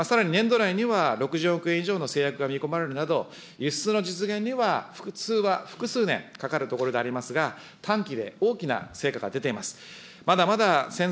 さらに年度内には、６０億円以上の成約が見込まれるなど、輸出の実現には複数年かかるところでありますが、短期で大きな成果が出ています。